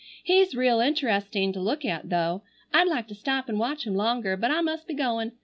"He's real interesting to look at though. I'd like to stop and watch him longer but I must be goin'.